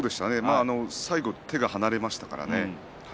最後手が離れましたからね。